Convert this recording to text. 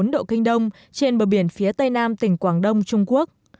một trăm một mươi một bốn độ kinh đông trên bờ biển phía tây nam tỉnh quảng đông trung quốc